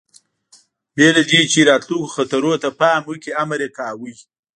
بې له دې، چې راتلونکو خطرونو ته پام وکړي، امر یې کاوه.